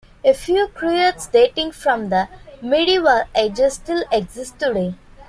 A few cruets dating from the Medieval ages still exist today.